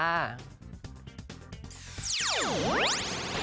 ปีนี้